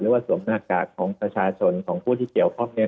สวมหน้ากากของประชาชนของผู้ที่เกี่ยวข้องเนี่ย